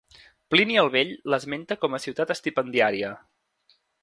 Plini el Vell l'esmenta com a ciutat estipendiaria.